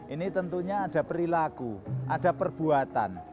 ini tentunya ada perilaku ada perbuatan